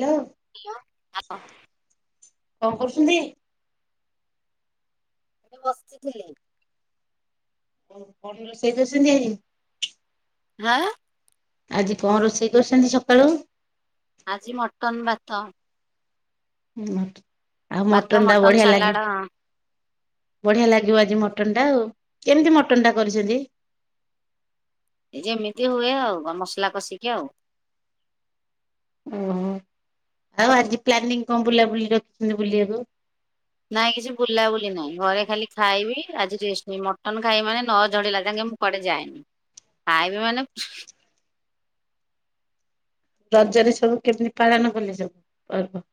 Hello. [unintelligible] କଣ କରୁଛନ୍ତି? ବସିଥିଲି। ବନୁ ର ସେଇ ଦ ସେମି଼ତି ହାଁ? ଆଜି କଣ ରୋଷେଇ କରିଛନ୍ତି ସକାଳୁ? ଆଜି ମଟନ ଭାତ। ଉଁ ଆଉ ଭାତ ମଟନ ଟା ବଢିଆ ଲାଗି ସାଲାଡ ବଢିଆ ଲାଗିବ ଆଜି ମଟନ୍ ଟା ଆଉ, କେମିତି ମଟନ ଟା କରିଛନ୍ତି? ଯେମିତି ହୁଏ ଆଉ ମସଲା କଷିକି ଆଉ। ଓହୋ ଆଉ ଆଜି ପ୍ଲାନିଂ କଣ ବୁଲାବୁଲି ରଖିଛନ୍ତି ବୁଲିବାକୁ? ନାଇଁ କିଛି ବୁଲାବୁଲି ନାହିଁ ଘରେ ଖାଲି ଖାଇବି ଆଜି ରେଷ୍ଟ ନେ ମଟନ ଖାଇବି ମାନେ ନଝଡିଲା ଯାକେ ମୁ କୁଆଡେ ଯାଏନି ଖାଇବି ମାନେ ରଜରେ ସବୁ କେମିତି ପାଳନ କଲେ ସବୁ ପର୍ବ?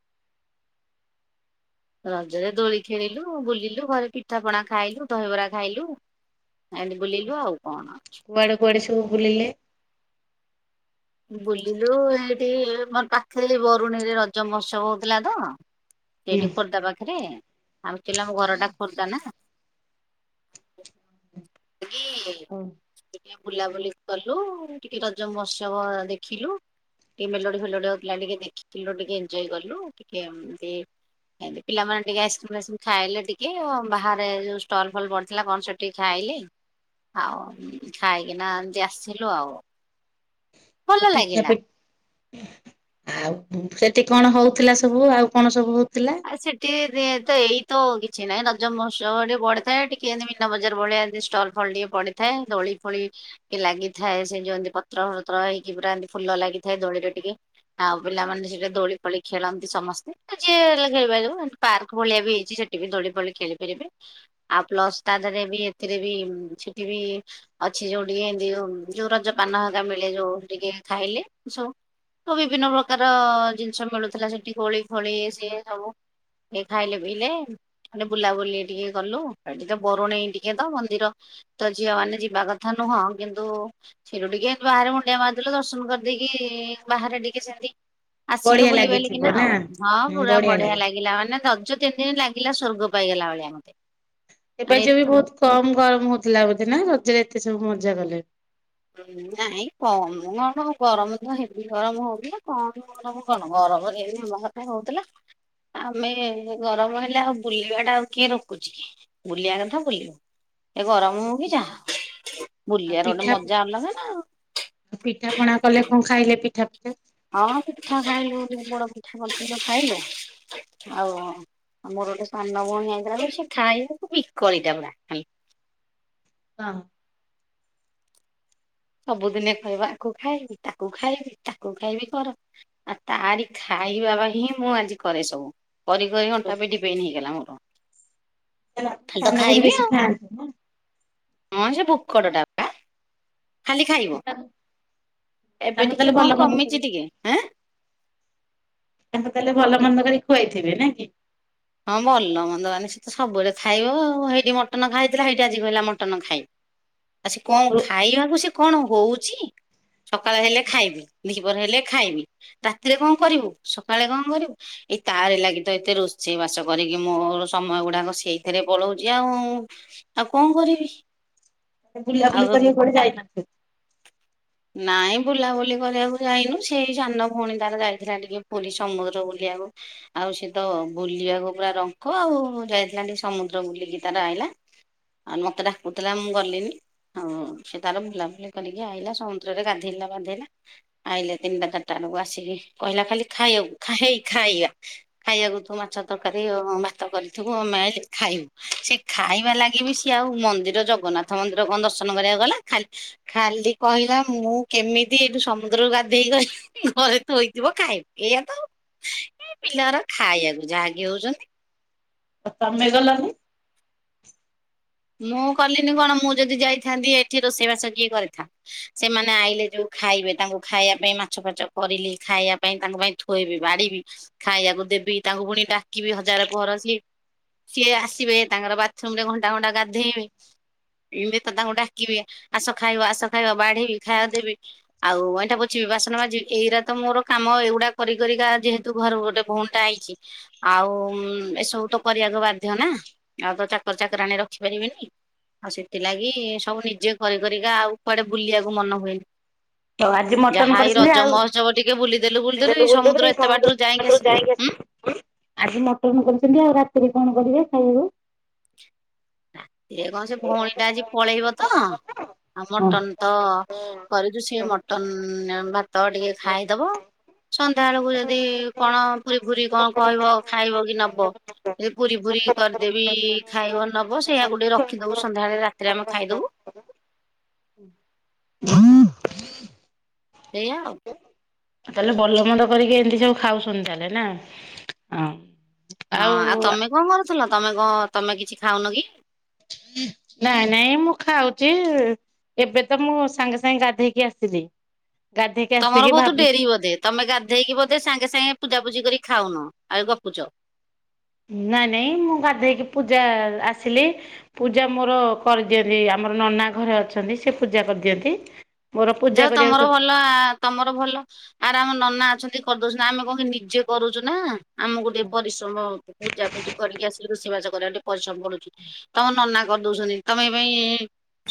ରଜରେ ଦୋଳି ଖେଳିଲୁ, ବୁଲିଲୁ, ଘରେ ପିଠା ପଣା ଖାଇଲୁ, ଦହିବରା ଖାଇଲୁ। ଏମିତି ବୁଲିଲୁ ଆଉ କଣ ଅଛି। କୁଆଡେ କୁଆଡେ ସବୁ ବୁଲିଲେ? ବୁଲିଲୁ ଏଇଠି ମୋ ପାଖେରେ ବରୁଣୀରେ ରଜ ମହୋତ୍ସବ ହଉଥିଲା ତ। ହୁଁ ସେଇଠି ଖୋର୍ଦ୍ଧା ପାଖେରେ ଆଉ ଆକ୍ଟିଆଲୀ ଆମଘରେ ଟା ଖୋର୍ଦ୍ଧା ନା କି ହଉ। ଟିକେ ବୁଲାବୁଲି କଲୁ ଟିକେ ରଜ ମହୋତ୍ସବ ଦେଖିଲୁ। ଟିକେ ମେଲୋଡି ଫେଲୋଡି ହଉଥିଲା ଟିକେ ଦେଖିଥିଲୁ ଟିକେ ଏଞ୍ଜୟ୍ କଲୁ ଟିକେ ଏମତି ଏମତି ପିଲାମାନେେ ଟିକେ ଆଇସ୍ କ୍ରିମ ଫାଇସ୍କ୍ରିମ୍ ଖାଇଲେ ଟିକେ ବାହାରେ ଯୋଉ ଷ୍ଟଲ ଫଲ ପଡିଥିଲା କଣ ସେ ଟି ଖାଇଲେ ଆଉ ଖାଇକିନା ଏମତି ଆସିଥିଲୁ ଆଉ। ଭଲ ଲାଗିଲା। ପିଠାପିଟ୍ ଆଉ ସେଠି କଣ ହଉଥିଲା ସବୁ ଆଉ କଣ ସବୁ ହଉଥିଲା? ଆ ସେଠିରେ ତ ଏଇ ତ କିଛି ନାଇଁ ରଜ ମହୋତ୍ସବ ଟିକେ ପଢିଥାଏ ଟିକେ ଏମତି ମନା ବଜାର ବଢିଆ ଏମିତି ଷ୍ଟଲ। ଫଲ ଟିକେ ପଡିଥାଏ ଦୋଳି ଫୋଳି କି ଲାଗିଥାଏ ସେ ଯୋଉ ଏମତି ପତ୍ର ଫତ୍ର ହେଇକି ପୁରା ଏମିତି ଫୁଲ ଲାଗିଥାଏ ଦୋଳିରେ ଟିକେ। ଆଉ ପିଲାମାନେ ସେଠାରେ ଦୋଳି ପୋଳି ଖେଳନ୍ତି ସମସ୍ତେ। ଏ ଯିଏ ଲେ ସେଇଭଳିଆ ଯୋଉ ପାର୍କ ଭଳିଆ ବି ହେଇଛି ସେଠି ବି ଦୋଳି ପୋଳି ଖେଳି ପାରିବେ। ଆଉ ପ୍ଲସ ତା ଦେହେରେ ବି ଏଥିରେବି ସେଠି ବି ଅଛି ଯୋଉ ଟିକେ ଏମିତି ଯୋଉ ଯୋଉ ରଜ ପାନ ହେରିକା ମିଳେ ଯୋଉ ଟିକେ ଖାଇଲେ ସବୁ। ତ ବିଭିନ୍ନ ପ୍ରକାର ଜିନିଷ ମିଳୁଥିଲା ସେଠି କୋଳି ଫୋଳି ଏ ସିଏ। ସବୁ ଏ ଖାଇଲେ ପିଇଲେ ଆଉ ଟିକେ ବୁଲାବୁଲି ଟିକେ କଲୁ ଏଠି ତ ବରୁଣେଇ ଟିକେ ତ ମନ୍ଦିର ତ ଝିଅ ମାନେ ଯିବା କଥା ନୁହଁ କିନ୍ତୁ ସେଠୁ ଟିକେ ଏମତି ବାହାରେ ମୁଣ୍ଡିଆ ମାରିଦେଲୁ ଦର୍ଶନ କରିଦେଇକି ବାହାରେ ଟିକେ ସେମିତି। ଆସିଲୁ ବଢିଆ ବୁଲି ଲାଗିଥିବ ବାଲିକିନା ନା? ଆଉ ହଁ ହୁଁ ପୁରା ବଢିଆ ଲାଗେ। [unintelligible] ଗିଲା ମାନେ ରଜ ତିନି ଦିନି ଲାଗିଲା ସ୍ୱର୍ଗ ପାଇଗଲା ଭଳିଆ ମତେ। ଏବା ମାନେ ଯେ ବି ଏତ ଉଉତ୍ କମ୍ ଗରମ ହଉତୁଲା ବୋଧେ ନା ରଜରେ ଏତେ ସବୁ ମଜା କଲେ। ନାଇଁ କମ କଣ ଗରମ ତ ହେବି ଗରମ ହଉ [unintelligible] କଣ ଗରମ। କଣ ଗରମରେ ବି ମହ [unintelligible] ହଉତୁଲା। ଆମେ ଗରମ ହେଲେ ଆଉ ବୁଲିବା ଟା ଆଉ କିଏ ରୋକୁଚି କି। ବୁଲିଆ କଥା ବୁଲିବ ଏ ଗରମ ହଉ କି ଆଉ ଯାହା ବୁଲିଆର ଅଟେ ପିଠା ମ ଜା ଅଲଗା ନା ଆଉ। ପିଠା ପଣା କଲେ କଁ ଖାଇଲେ ପିଠା [unintelligible] ଆଁ ପିଠା ଖାଇଲୁ [unintelligible] ପୋଡ଼ ପିଠା [inaudible] ଖାଇଲୁ ଆଉ ଆଉ ମୋର ଓଟେ ସାନ ଭଉଣୀ ଆଇଥିଲା ସେ ଖାଇବାକୁ ବିକଳିଟା ପୁରା ହାଲ୍ ଅ ହଁ। ସବୁଦିନେ କହିବ ଆକୁ ଖାଇବି ତାକୁ ଖାଇବି ତାକୁ ଖାଇବି କର। ଆ ତାରି ଖାଇବା ବା ହିଁ ମୁଁ ଆଜି କରେ ସବୁ କରି କରି ଅଣ୍ଟା, ପିଠି ବେନ୍ ହେଇଗଲା ମୋର। ଖାଲି ତ ସାନ ବୁଢୀ ଖାଇବି ବେଶୀ ଆଉ ଖାଆନ୍ତି ନା ଅଁ ସେ ଭୋକଡ ଟା [unintelligible] ଖାଲି ଖାଇବ ତାଙ୍କୁ ଏବେ ତାହେଲେ ଟିକେ ଭଲ କଁ ମନ୍ଦ କରି କମିଚି ଟିକେ ଆଁ। ତାଙ୍କୁ ତାଲେ ଭଲ ମନ୍ଦ କରି ଖୁଆଇଥିବେ ନାକି? ହଁ ଭଲ ମନ୍ଦ ମାନେ ସେ ତ ସବୁବେଳେ ଖାଇବ ହେଇଟି ମଟନ ଖାଇଥିଲା ହେଇଠି ଆଜି କହିଲା ମଟନ ଖାଇ ଆ ସେ କଁ ଖାଇବାକୁ ସେ କଣ ହଉଚି ସକାଳ ହେଲେ ଖାଇବି ଦିଃ ବର୍ ହେଲେ ଖାଇବି ରାତିରେ କଁ କରିବୁ ସକାଳେ କଁ କରିବୁ ଏଇ ତାରି ଲାଗି ତ ଏତେ ରୋଷ୍ ଷେଇ ବାସ କରିକି ମୋର ସମୟ ଗୁଡ଼ାକ ସେଇଥିରେ ପଳଉଚି ଆଉ। ତାଉ କଁ କରିବି? [unintelligible] ବୁଲାବୁଲି ଆଉ କରିବାକୁ କୁଆଡ଼େ ଯାଇନଥି ନାଇଁ ବୁଲାବୁଲିକରି ଆକୁ ଯାଇନୁ ସେଇ ସାନ ଭଉଣୀ ତାର ଯାଇଥିଲା ଟିକେ ପୁରୀ ସମୁଦ୍ର ବୁଲିଆକୁ। ଆଉ ସେ ତ ବୁଲିବାକୁ ପୁରା ରଙ୍କ ଆଉ ଯାଇଥିଲା ଟି ସମୁଦ୍ର ବୁଲିକି ତାର ଆଇଲା। ଆ [unintelligible] ମତେ ଡ଼ାକୁତୁଲା ମୁଁ ଗଲିନି ଆଉ ସେ ତାର ବୁଲାବୁଲି କରିକି ଆଇଲା ସମୁ ଦ୍ରରେ ଗାଧେଇଲା ପାଧେଇଲା। ଆଇଲା ତିନିଟା, ଚାଟା ବେଳକୁ ଆସିକି କହିଲା ଖାଲି ଖାଇଆକୁ ଖାଇ ଖାଇବା। ଖାଇଆକୁ ତୁ ମାଛ ତରକାରୀ ଆଉ ଭାତ କରିଥିବୁ ଆମେ ଆଇଲେ ଖାଇବୁ। ସେ ଖାଇବା ଲାଗି ବି ସିଏ ଆଉ ମନ୍ଦିର ଜଗନ୍ନାଥ ମନ୍ଦିର କଁ ଦର୍ଶନ କରିଆକୁ ଗଲା ଖାଲ୍ ଖାଲି କହିଲା ମୁଁ କେମିତି ଏଠୁ ସମୁଦ୍ରରୁ ଗାଧେଇ [unintelligible] ଘରେ ଥୋଇଥିବ ଖାଇବି ଏଇଆ ତ ଏ ଆଉ ଗୁରା ପିଲାର ଖାଇଆକୁ ଯାହାକି ହଉଚ଼ନ୍ତି। ଅ ତମେ ଗଲନି? ମୁଁ ଗଲିନି କଣ ମୁଁ ଯଦି ଯାଇଥାନ୍ତି ଏଠି ରୋଷେଇବାସ କିଏ କରିଥା ସେମାନେ ଆଇଲେ ଯୋଉ ଖାଇବେ ତାଙ୍କୁ ଖାଇବା ପାଇଁ ମାଛ ଫାଚ କରିଲି ଖାଇବା ପାଇଁ ତାଙ୍କ ପାଇଁ ଥୋଇବି, ବଢ଼ିବି, ଖାଇଆକୁ ଦେବି ତାଙ୍କୁ ପୁଣି ଡ଼ାକିବି ହଜାରେ ପହର ସିଏ। ସିଏ ଆସିବେ ତାଙ୍କର ବାଥରୁମ୍ ରେ ଘଣ୍ଟା ଘଣ୍ଟା ଗାଧେଇବେ। ଏମି ତ ତାଙ୍କୁ ଡ଼ାକିବି ଆସ ଖାଇବ ଆସ ଖାଇବ ବଢ଼ିବି, ଖାଇଆକୁ ଦେବି। ଆଉ ଅଇଁଠା ପୋଛିବି, ବାସନ ମାଜିବି, ଏଇରା ତ ମୋର କାମ ଏଗୁଡ଼ା କରି କରିକା ଯେହେତୁ ଘର ଗୋଟେ ଭଉଣ୍ ଟା ଆଇଚି ଆଉ ଏସବୁ ତ କରିଆକୁ ବାଧ୍ୟ୍ୟ ନା ଆଉ ତ ଚାକର, ଚାକରାଣୀ ର ଖିପାରିବିନି। ଆଉ ସେତିଲାଗି ସବୁ ନିଜେ କରି କରିକା ଆଉ କୁଆଡ଼େ ବୁଲିଆକୁ ମନ ହୁଏନି। ଆଉ ଆଜି ମଟନ ଯାହା ଏଇ କରିଛନ୍ତି ରଜ ଆଉ ମହୋତ୍ସବ ଟିକେ ବୁଲିଦେଲୁ ବୁଲିଦେଲୁ ଏଇ ସମୁଦ୍ର ଏତେ ବାଟରୁ ଯାଇକି ଆସି ଉୁଁ ଆଜି ମଟନ କରିଚନ୍ତି ଆଉ ରାତିରେ କଣ କରିବେ ଖାଇଆକୁ? ରାତିରେ କଁ ସେ ଭଉଣୀ ଟା ଆଜି ପଳେଇବ ତ ଆଉ ହଁ ମଟନ ତ କରିଚୁ ସେ ମଟନ ଭାତ ଟିକେ ଖାଇଦବ। ସନ୍ଧ୍ୟା ଏଳକୁ ଯଦି କଣ ପୁରି ଫୁରି କଁ କହିବ ଖାଇବ କି ନବ ଏ ପୁରି ଫୁରି କରିଦେବି ଖାଇବ ନବ ସେୟାକୁ ଟିକେ ରଖିଦବୁ ସନ୍ଧ୍ୟାଏଳେ ରାତିରେ ଆମେ ଖାଇଦବୁ। ଏଇଆ ଆଉ। ତାହେଲେ ଭଲ ମନ୍ଦ କରିକି ଏମିତି ସବୁ ଖାଉଛନ୍ତି ତାହେଲେ ନା? ହଁ। ହଁ ଆଉ ତମେ କଁ କରୁଥିଲ ତମେ କଁ ତମେ କିଛି ଖାଉନ କି? ନାଇଁ ନାଇଁ ମୁଁ ଖାଉଚି ଏବେ ତ ମୁଁ ସାଙ୍ଗେ ସାଙ୍ଗେ ଗାଧେଇକି ଆସିଲି। ଗାଧେଇକି ତମର ଆସିକି ଭଉତ ଭାବୁ ଡେରି ବୋଦେ ତମେ ଗାଧେଇକି ବୋଧେ ସାଙ୍ଗେ ସାଙ୍ଗେ ପୂଜାପୂଜି କରି ଖାଉନ ଆଉ ଗପୁଚ। ନାଇଁ ନାଇଁ ମୁଁ ଗାଧେଇକି ପୂଜା ଆସିଲି ପୂଜା ମୋର କରିଦିଅନ୍ତି ଆମର ନନା ଘରେ ଅଛନ୍ତି ସେ ପୂଜା କରିଦିଅନ୍ତି। ମୋର ପୂଜା ଯାହା ହଉ କରିବାକୁ ତମର ଭଲ୍ ନା ତମର ଭଲ ଆରେ ଆମ ନନା ଅଛନ୍ତି କରିଦଉଛନ୍ତି ଆମେ କଁ କି ନିଜେ କରୁଚୁନା। ଆମକୁ ଟିକେ ପରିଶ୍ରମ ପୂଜା ପୂଜି କରିକି ଆସିଲେ ରୋଷେଇବାସ କରିବାକୁ ଟିକେ ପରିଶ୍ରମ ପଡୁଚି ତମ ନନା କରିଦଉଛନ୍ତି ତମେ ଏ ପାଇଁ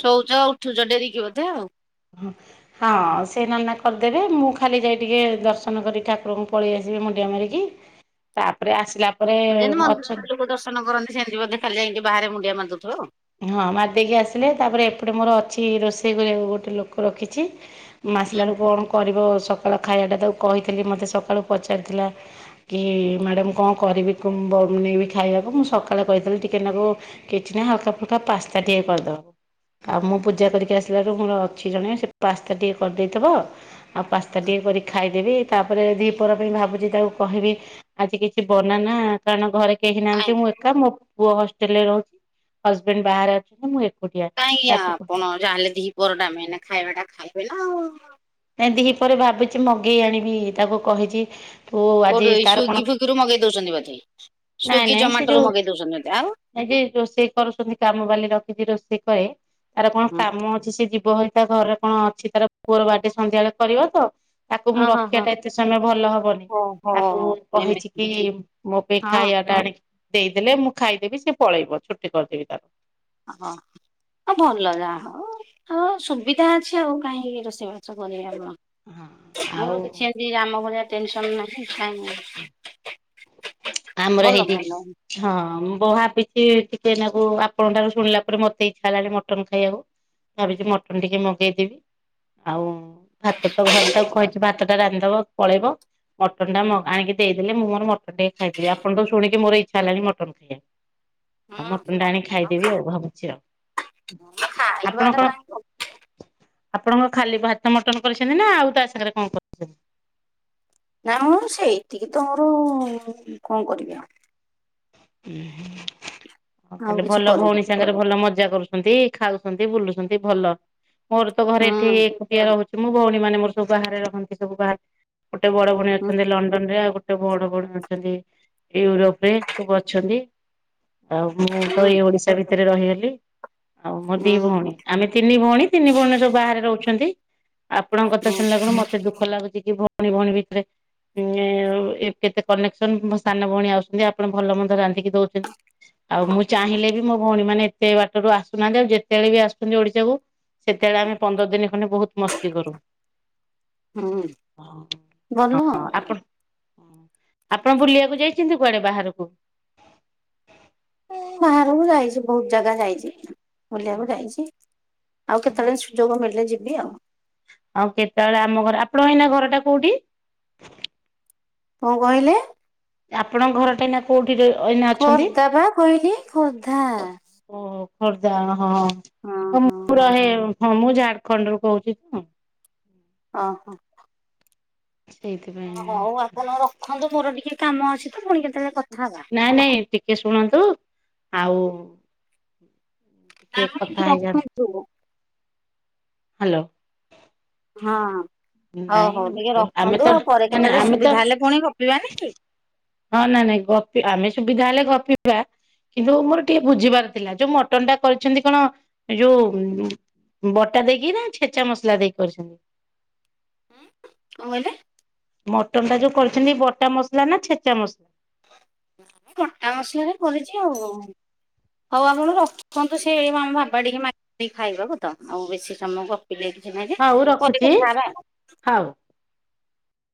ଶୋଉଚ ଉଠୁଛ ଡେରିକି ବୋଧେ ଆଉ। ହଁ ହଁ ସେ ନନା କରିଦେବେ ମୁଁ ଖାଲି ଯାଇ ଟିକେ ଦର୍ଶନ କରି ଠାକୁରଙ୍କୁ ପଳେଇ ଆସିବେ ମୁଣ୍ଡିଆ ମାରିକି। ତାପରେ ଆସିଲା ପରେ ଅଛନ୍ ତନ କରନ୍ତି ସେମିତି ବଧେ ଖାଲି ଯାଇକି ଟିକେ ବାହାରେ ମୁଣ୍ଡିଆ ମାର ଦଉଥିବ? ହଁ ମାରିଦେଇକି ଆସିଲେ ତାପରେ ଏପଟେ ମୋର ଅଛି ରୋଷେଇ କରି ଆକୁ ଗୋଟେ ଲୋକ ରଖିଚି। ହୁଁ। ମାସିଲାବେଳୁ କଣ କରିବ ସକାଳ ଖାଇ ଆଟା ତାକୁ କହିଥିଲି ମତେ ସକାଳୁ ପଚାରିଥିଲା କି ମ୍ୟାଡ଼ମ୍ କଁ କରିବି କୁମ୍ବ ବନେଇବି ଖାଇବାକୁ ମୁଁ ସକାଳେ କହିଥିଲି ଟିକେନାକୁ କିଛିନା ହଲକା ଫୁଲକା ପାସ୍ତା ଟିକେ କରିଦବ। ଆଉ ମୁଁ ପୂଜା କରିକି ଆସିଲାରୁ ମୋର ଅଛି ଜଣେ ସେ ପାସ୍ତା ଟିକେ କରିଦେଇଥବ ଆଉ ପାସ୍ତା ଟିକେ କରି ଖାଇଦେବି ତାପରେ ଦିପହର ପାଇଁ ଭାବୁଚି ତାକୁ କହିବି ଆଜି କିଛି ବନାନା କାରଣ ଘରେ କେହି କାଇଁ ନାହାନ୍ତି ମୁଁ ଏକା ମୋ ପୁଅ ହଷ୍ଟେଲରେ ରହୁ ହଜବେଣ୍ଡ ବାହାରେ ଅଛନ୍ତି ମୁଁ ଏକ୍ କାଇଁ ଆପଣ ଜାଣିଲେ ଦିହିପର ଟାଇମ ଏଇନା ଖାଇବାଟା ଖାଇବେ ନା ଆଉ। କାଇଁ ଦିହିପରେ ଭାବିଚି ମଗେଇ ଆଣିବି ତାକୁ କହିଚି। କୋଉଠୁ ଏଇ ସ୍ଵିଗି ଫୁଇଗିରୁ ମଗେଇ ଦଉଛନ୍ତି ବଧେ? ସ୍ଵିଗି ଜମାଟୋରୁ ମଗେଇ ଦଉଛନ୍ତି ବୋତେ ଆଉ ନାଇ ଯେ ରୋଷେଇ କରୁଛନ୍ତି କାମ ବାଲି ରଖିଚି ରୋଷେଇ କରେ ତାର କଣ ହଁ। କାମ ଅଛି ସେ ଯିବ ହ ତା ଘରରେ କଁ ଅଛି ତାର ପରା ପୁଅର ବାଡେ ସନ୍ଧ୍ୟା ବଳେ କରିବ ତ ତାକୁ ଓ ମୁଁ ହଁ ହଁ। ରଖିଆଟା ଏତେ ସମୟ ଭଲ ହବନି। ତାକୁ ଓହୋ କହିଚି ଏମିତି କି ମୋ ପାଇଁ ହଁ। ଖାଇଆଟା ଆଣିକି ଦେଇଦେଲେ ମୁଁ ଖାଇଦେବି ସେ ପଳେଇବ ଛୁଟି କରିଦେବି ତାର। ଆ ହଁ। ଆ ହଉ ଭଲ ଯା ହଉ ହଉ ସୁବିଧା ଅଛି ଆଉ କାହିଁକି ରୋଷେଇବାସ କରିବା ଆମ। ହଁ ମୋର ଆଉ କିଛି ଆଜି ରାମ ଭଳିଆ ଟେନସନ ନାହିଁ କାମ ଆମର ହେଇଟି ହଁ ମୁଁ ପା ଭାବିଛି ଟିକେନାକୁ ଆପଣଙ୍କ ଠାରୁ ଶୁଣିଲା ପରେ ମତେ ଇଚ୍ଛା ହେଲାଣି ମଟନ ଖାଇଆକୁ। ଭାବିଚି ମଟନ ଟିକେ ମଗେଇଦେବି ଆଉ ଭାତ ତ ଘରେ ତ କହିଚି ଭାତ ତା ରାନ୍ଧିବ ପଳେଇବ ମଟନ୍ ଟା ମ ଆଣିକି ଦେଇଦେଲେ ମୁଁ ମୋର ମଟନ୍ ଟେ ଖାଇଥିବେ ଆପଣ ତ ଶୁଣିକି ମୋର ଇଚ୍ଛା ହେଲାଣି ମଟନ ଖାଇଆ। ଆଉ ମଟୁନଟା ଆଣି ଖାଇଦେବି ଆଉ ଭାବୁଚି ଆଉ ଆପଣ ଖାଇବାଟା କଁ କାହିଁ ଆପଣଙ୍କ ଖାଲି ଭାତ ମଟନ କରିଛନ୍ତି ନା ଆଉ ତା ସାଙ୍ଗରେ କଁ କର୍ ନା ମୁଁ ସେଇତିକି ତ ମୋର କଁ କରିବି ଆଉ। ଉଁ ହୁ ହଁ ଆଉ ତାହେଲେ କିଛି ଭଲ କରିନି ଭଉଣୀ ସାଙ୍ଗରେ ଭଲ ମଜା କରୁ ଛନ୍ତି ଖାଉଛନ୍ତି ବୁଲୁଛନ୍ତି ଭଲ ମୋର ତ ଘରେ ହୁଁ ଏଠି ଏକୁଟିଆ ରହୁଚି ମୋ ଭଉଣୀ ମାନେ ମୋର ସବୁ ବାହାରେ ରହନ୍ତି ସବୁ ବାହାର ଗୋଟେ ବଡ ଭଉଣୀ ହୁଁ ଅଛନ୍ତି ଲଣ୍ଡନରେ ଆଉ ଗୋ ଟେ ବଡ ଭଉଣୀ ଅଛନ୍ତି ୟୁରୋପରେ ସବୁ ଅଛନ୍ତି। ଆଉ ମୁଁ ତ ହୁଁ ଏଇ ଓଡିଶା ଭିତରେ ରହିଗଲି ଆଉ ମୋ ଦି ହୁଁ ଭଉଣୀ। ଆମେ ତିନି ଭଉଣୀ ତିନି ଭଉଣୀ ଯୋଉ ବାହାରେ ରହୁଛନ୍ତି। ଆପଣଙ୍କ କଥା ହୁଁ ଶୁଣିଲା କଣ ମତେ ଦୁଃଖ ଲାଗୁଚି କି ଭ ତିନି ଭଉଣୀ ଭିତ ଉଁ ଏ କେତେ କନେକ୍ସନ ମୋ ସାନ ଭଉଣୀ ଆସୁନ୍ ଯା ପଣ ଭଲ ମନ୍ଦ ରାନ୍ଧିକି ଦଉଚନ୍ତି। ଆଉ ମୁଁ ଚାହିଁଲେ ବି ମୋ ଭଉଣୀ ମାନେ ଏତେ ବାଟରୁ ଆସୁନାହାନ୍ତି ଆଉ ଯେତେବେଳେ ବି ଆସୁଚନ୍ତି ଓଡିଶା କୁ ସେତେବେଳେ ଆମେ ପନ୍ଦର ଦିନ ଖଣ୍ଡେ ବହୁତ ମସ୍ତି କରୁ। ହୁଁ ହ ଭଲ ହଁ ଆଉ। ଆପଣ ହଁ ଆପଣ ବୁଲିବାକୁ ଯାଇଚନ୍ତି କୁଆଡେ ବାହାରୁକୁ? ମୁଁ ବାହାରକୁ ଯାଇଚି ବହୁତ ଜାଗା ଯାଇଚି। ବୁଲିବାକୁ ଯାଇଚି ଆଉ କେତବଳେ ସୁଯୋଗ ମିଳିଲେ ଯିବି ଆଉ। ଆଉ କେତବଳେ ଆମ ଘର ଆପଣଙ୍କ ଏଇନା ଘରଟା କୋଉଠି? କଣ କହିଲେ। ଆପଣଙ୍କ ଘର ଟା ଏଇନା କୋଉଠିରେ ଏଇନା ଅଛନ୍ତି? ଖୋର୍ଦ୍ଧା ବା କହିଲି ଖୋର୍ଦ୍ଧା। ଓହୋ ଖୋର୍ଦା ହଁ ହଁ ମୁଁ ହଁ ପୁରା ହେ ହଁ ମୁଁ ଝାଡଖଣ୍ଡରୁୁ କହୁଚି ତ। ଅ ହଁ ସେଇଥିପାଇଁ ଅ ହଉ ଆପଣ ରଖନ୍ତୁ ମୋର ଟିକେ କାମ ଅଛି ତ ପୁଣି କେତେବେଳେ କଥା ହବା। ନାଇଁ ନାଇଁ ଟିକେ ଶୁଣନ୍ତୁ ଆଉ। ନାଁମ କଥା ଟିକେ ହେଇଯାଆନ୍ତୁ। ରଖନ୍ତୁ। ହାଲୋ। ହଁ ହଁ ହଉ ନାଇଁ ହଉ ଟିକେ ଆମେ ତ ରଖନ୍ତୁ ଆଉ ପରେ ନା ନା କେତେବେଳେ ଆମେ ତ ସୁବିଧା ହେଲେ ପୁଣି ଗପିବାନି କି। ହଁ ନାଇଁ ନାଇଁ ଗ ଆମେ ସୁବିଧା ହେଲେ ଗପିବା। କିନ୍ତୁ ମୋର ଟିକେ ବୁଝିବାର ଥିଲା ଯୋଉ ମଟନ୍ ଟା କରିଛନ୍ତି କଣ ଏଇ ଯୋଉ ବଟା ଦେଇକି ନା ଛେଚା ମସଲା ଦେଇକି କରିଛନ୍ତି। ଆଁ କଣ କହିଲେ। ମଟନ ଟା ଯୋଉ କରିଛନ୍ତି ବଟା ମସଲା ନା ଛେଚା ମସଲା? ବଟା ମସଲାରେ କରିଚି ଆଉ ହଉ ଆପଣ ର ଖନ୍ତୁ ସେ ଆମ ବାବା ଟିକେ ମାଗିଲେ ଖାଇବାକୁ ତ ଆଉ ବେଶୀ ସମୟ ଗପ ଏବେ କିଛି ନାଇଁ ଯେ ହଉ ପରେ ରଖୁଛି କଥା ହବା। ହଉ।